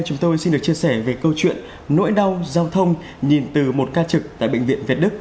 chúng tôi xin được chia sẻ về câu chuyện nỗi đau giao thông nhìn từ một ca trực tại bệnh viện việt đức